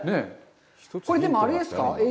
これでもあれですか。